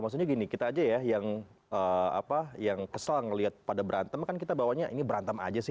maksudnya gini kita aja ya yang kesal ngeliat pada berantem kan kita bawanya ini berantem aja sih